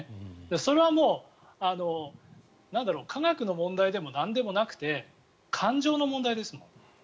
それはもう科学の問題でもなんでもなくて感情の問題ですよ。